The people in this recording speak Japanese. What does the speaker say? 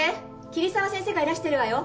桐沢先生がいらしてるわよ。